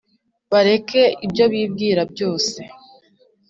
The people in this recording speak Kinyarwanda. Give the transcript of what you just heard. Bareke ibyo bibwira byose